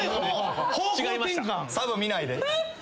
・サブ見ないで。